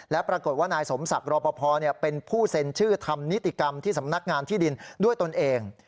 และปรากฏว่านายสมศักดิ์รอปภเป็นผู้เซ็นชื่อทำนิติกรรมที่สำนักงานที่ดินด้วยตนเอง